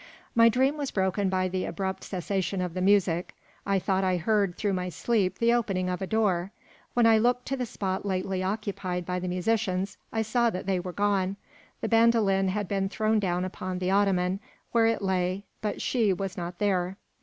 My dream was broken by the abrupt cessation of the music. I thought I heard, through my sleep, the opening of a door. When I looked to the spot lately occupied by the musicians, I saw that they were gone. The bandolin had been thrown down upon the ottoman, where it lay, but "she" was not there.